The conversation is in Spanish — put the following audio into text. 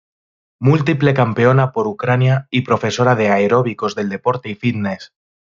Múltiple campeona por Ucrania y profesora de aeróbicos del deporte y fitness.